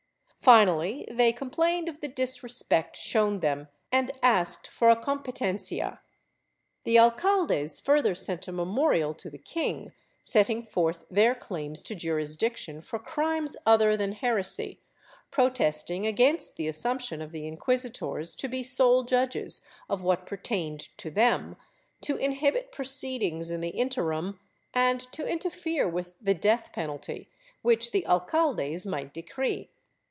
Finally they complained of the disrespect shown them and asked for a competencia. The alcaldes further sent a memorial to the king, setting forth their claims to jurisdiction for crimes other than heresy, protesting against the assumption of the inquisitors to be sole judges of what pertained to them, to inhibit proceedings in the interim, and to interfere with the death penalty which the alcaldes might decree.